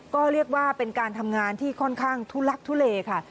ก็เรียกว่าเป็นการทำงานที่ค่อนข้างทุลักทุเลค่ะ